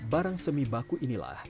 barang semi baku inilah